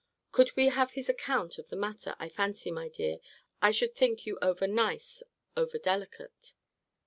Could we have his account of the matter, I fancy, my dear, I should think you over nice, over delicate.